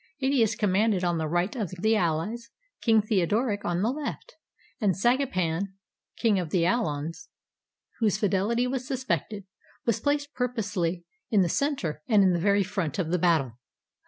Aetius commanded on the right of the allies; King Theodoric on the left; and Sangipan, king of the Alans, whose fidelity was sus pected, was placed purposely in the center, and in the very front of the battle.